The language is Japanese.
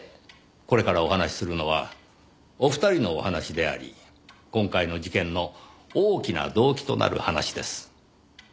これからお話しするのはお二人のお話であり今回の事件の大きな動機となる話です。